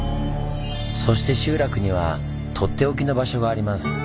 そして集落にはとっておきの場所があります。